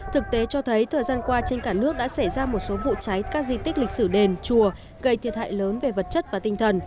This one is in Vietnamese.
thực tế cho thấy thời gian qua trên cả nước đã xảy ra một số vụ cháy các di tích lịch sử đền chùa gây thiệt hại lớn về vật chất và tinh thần